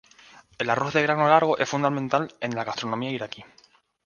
El arroz de grano largo es fundamental en la gastronomía iraquí.